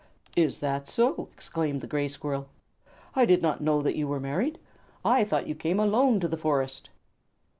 "Is that so?" exclaimed the Gray Squirrel. "I did not know that you were married. I thought you came alone to the forest."